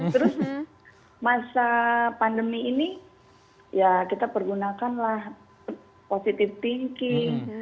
terus masa pandemi ini ya kita pergunakanlah positive thinking